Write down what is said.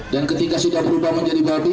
dan ketika sudah berubah menjadi babi